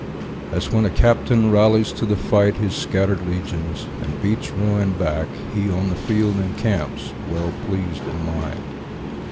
As when a captain rallies to the fight His scattered legions, and beats ruin back, He, on the field, encamps, well pleased in mind.